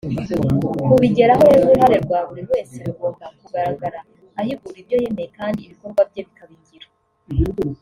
Kubigeraho rero uruhare rwa buri wese rugomba kugaragara ahigura ibyo yemeye kandi ibikorwa bye bikaba ingiro